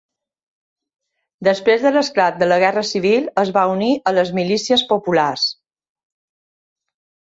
Després de l'esclat de la Guerra civil es va unir a les milícies populars.